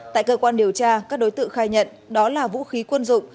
tại cơ quan điều tra các đối tượng khai nhận đó là vũ khí quân dụng